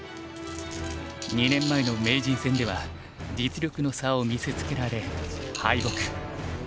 ２年前の名人戦では実力の差を見せつけられ敗北。